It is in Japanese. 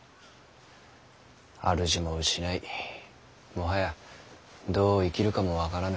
主も失いもはやどう生きるかも分からぬ。